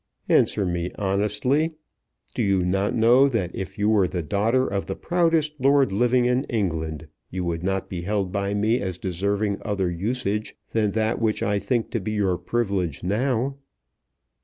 "Answer me honestly. Do you not know that if you were the daughter of the proudest lord living in England you would not be held by me as deserving other usage than that which I think to be your privilege now?"